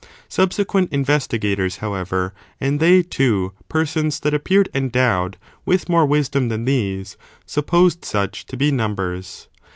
Subsequent investigators, however, and they, too, persons that appeared endowed with more wisdom than these, supposed such to be numbers.